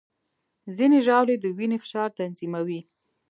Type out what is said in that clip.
ځینې ژاولې د وینې فشار تنظیموي.